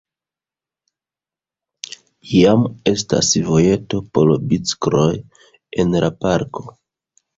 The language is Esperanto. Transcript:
Jam estas vojeto por bicikloj en la parko.